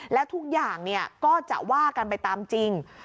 แล้วทุกอย่างก็จะว่ากันไปตามจริง